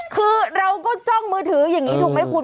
คือเราก็จ้องมือถืออย่างนี้ถูกไหมคุณ